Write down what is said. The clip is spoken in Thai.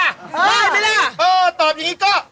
เออตอบอย่างนี้ก็